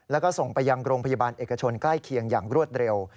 แล้วก็ส่งไปยังโรงพยาบาลเอกชนใกล้เคียงอย่างรวดเร็ว